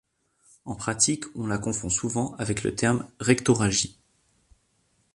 En pratique, on la confond souvent avec le terme rectorragie.